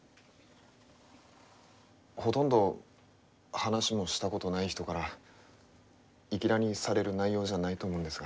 ほとんど話もしたことない人からいきなりされる内容じゃないと思うんですが。